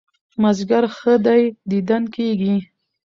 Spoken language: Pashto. مازيګر ښه دى ديدن کېږي